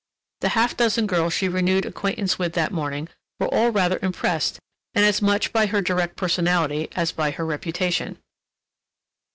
The half dozen girls she renewed acquaintance with that morning were all rather impressed and as much by her direct personality as by her reputation.